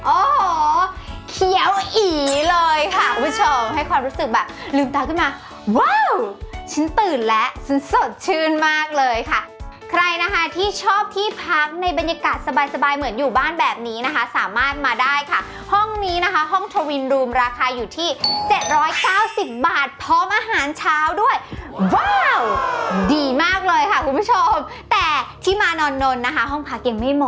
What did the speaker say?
โอ้โหเคี้ยวอีเลยค่ะคุณผู้ชมให้ความรู้สึกแบบลืมตาขึ้นมาว้าวฉันตื่นแล้วฉันสดชื่นมากเลยค่ะใครนะคะที่ชอบที่พักในบรรยากาศสบายสบายเหมือนอยู่บ้านแบบนี้นะคะสามารถมาได้ค่ะห้องนี้นะคะห้องทวินรูมราคาอยู่ที่เจ็ดร้อยเก้าสิบบาทพร้อมอาหารเช้าด้วยว้าวดีมากเลยค่ะคุณผู้ชมแต่ที่มานอนนนนะคะห้องพักยังไม่หมด